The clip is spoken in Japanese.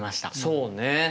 そうね。